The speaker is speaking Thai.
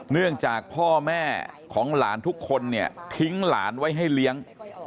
เนื่องจากพ่อแม่ของหลานทุกคนเนี่ยทิ้งหลานไว้ให้เลี้ยง